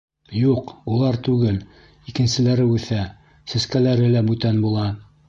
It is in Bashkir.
— Юҡ, улар түгел, икенселәре үҫә, сәскәләре лә бүтән була.